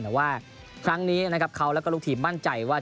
แต่ว่าครั้งนี้นะครับเขาแล้วก็ลูกทีมมั่นใจว่า